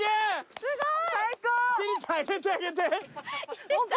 すごーい！